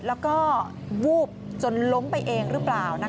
แล้วก็วูบจนล้มไปเองหรือเปล่า